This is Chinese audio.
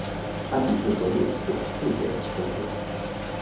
它亦适合用作数学教学。